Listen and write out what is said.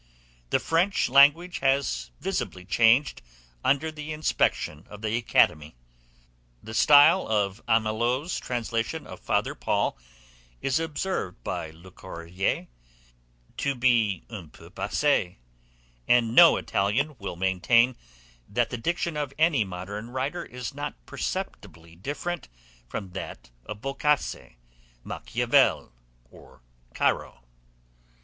The French language has visibly changed under the inspection of the Academy; the style of Amelot's translation of Father Paul is observed by Le Courayer to be un peu passé; and no Italian will maintain that the diction of any modern writer is not perceptibly different from that of Boccace, Machiavel, or Caro.